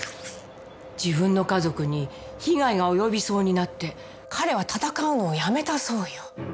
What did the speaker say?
自分の家族に被害が及びそうになって彼は戦うのをやめたそうよ。